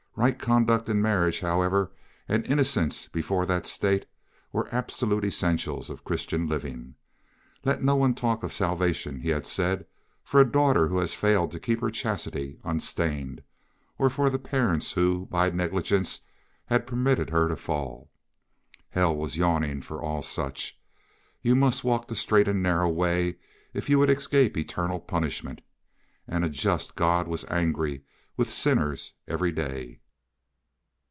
Right conduct in marriage, however, and innocence before that state were absolute essentials of Christian living. Let no one talk of salvation, he had said, for a daughter who had failed to keep her chastity unstained, or for the parents who, by negligence, had permitted her to fall. Hell was yawning for all such. You must walk the straight and narrow way if you would escape eternal punishment, and a just God was angry with sinners every day.